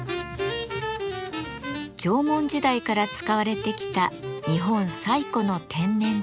縄文時代から使われてきた日本最古の天然塗料漆。